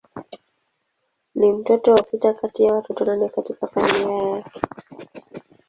Ni mtoto wa sita kati ya watoto nane katika familia yake.